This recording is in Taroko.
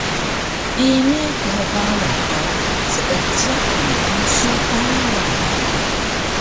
Ini khbaraw ka seejiq tnpusu Taywan